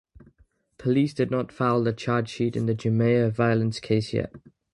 Police did not file the charge sheet in the Jamia Violence case yet.